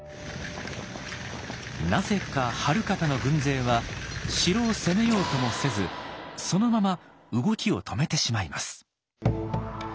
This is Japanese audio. なぜか晴賢の軍勢は城を攻めようともせずそのまま動きを止めてしまいます。